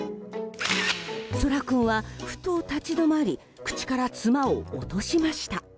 ソラ君は、ふと立ち止まり口からツマを落としました。